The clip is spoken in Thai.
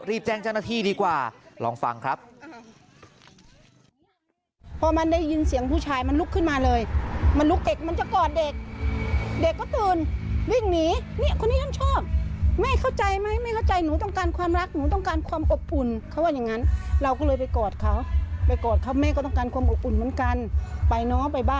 แจ้งเจ้าหน้าที่ดีกว่าลองฟังครับ